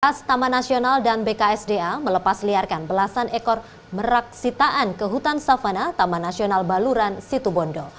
pas taman nasional dan bksda melepas liarkan belasan ekor merak sitaan ke hutan savana taman nasional baluran situbondo